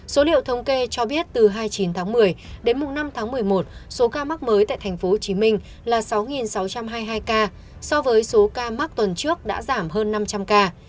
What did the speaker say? số liệu thống kê cho biết từ hai mươi chín tháng một mươi đến năm tháng một mươi một số ca mắc mới tại tp hcm là sáu sáu trăm hai mươi hai ca so với số ca mắc tuần trước đã giảm hơn năm trăm linh ca